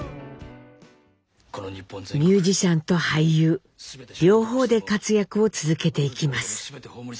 ミュージシャンと俳優両方で活躍を続けていきます。